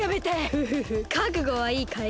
フフフかくごはいいかい？